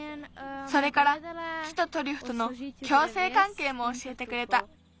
それから木とトリュフとの共生関係もおしえてくれた。